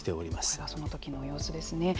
これがその時の様子ですね。